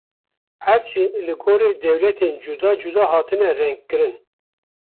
Erd jî li gorî dewletan cuda cuda hatine rengkirin.